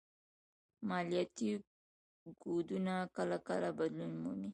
مالياتي کوډونه کله کله بدلون مومي